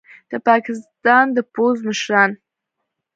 د پاکستان د پوځ مشران